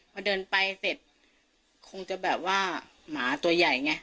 พอเดินไปเสร็จคงจะแบบว่าหมาตัวใหญ่ไง